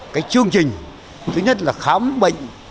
cái chương trình thứ nhất là khám bệnh